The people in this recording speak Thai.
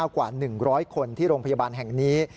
กว่า๑๐๐คนที่โรงพยาบาลแห่งนี้